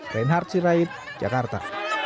reinhard sirait jakarta